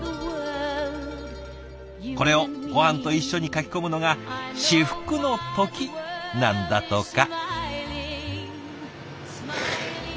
これをごはんと一緒にかき込むのが至福の時なんだとか。